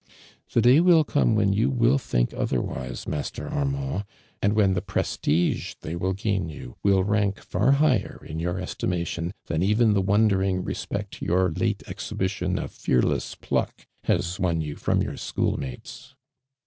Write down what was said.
" The day will come when you will think otliorwiso, Mast«'r Armand, and wh n tho iiK.ilitjf tlipy will ;;)iin ynu will runk far jiighor in your estim ition thiin even the won deling respeet yoiii' late e.vhibitioii o\' fearless pliuk has won you from your sehool niate.^."